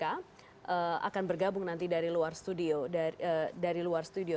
akan bergabung nanti dari luar studio